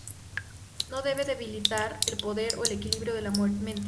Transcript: No debe debilitar el poder o el equilibrio de la mente.